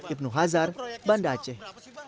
ibnu hazar banda aceh